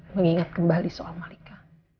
mengingat kembali soal malika